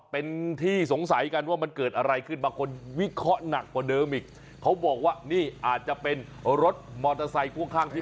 เห็นไหมข้ิตแรกหล่ะครับปฏิสิตนี้แน่คือน่าจะเป็นรถแบบอัตโนนาโถ